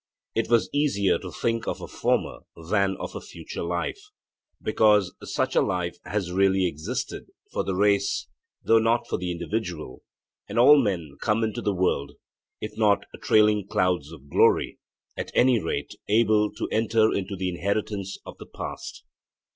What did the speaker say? It was easier to think of a former than of a future life, because such a life has really existed for the race though not for the individual, and all men come into the world, if not 'trailing clouds of glory,' at any rate able to enter into the inheritance of the past.